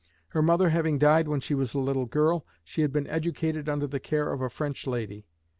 Her mother having died when she was a little girl, she had been educated under the care of a French lady.